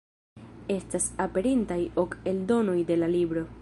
Estas aperintaj ok eldonoj de la libro.